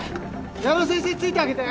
矢野先生ついてあげて。